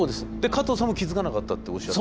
加藤さんも気付かなかったっておっしゃって。